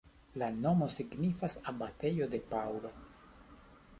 La nomo signifas abatejo de Paŭlo.